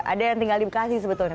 ada yang tinggal di bekasi sebetulnya